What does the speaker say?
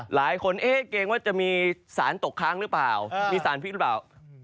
หลายคนเอ๊ะเกรงว่าจะมีสารตกค้างหรือเปล่ามีสารพิษหรือเปล่า